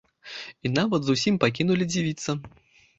І нават зусім пакінулі дзівіцца.